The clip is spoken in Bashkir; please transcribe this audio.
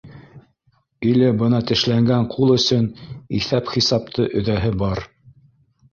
Иле бына тешләнгән ҡул өсөн иҫап-хисапты өҙәһе бар